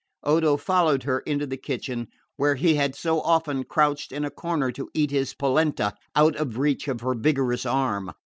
Odo followed her into the kitchen, where he had so often crouched in a corner to eat his polenta out of reach of her vigorous arm.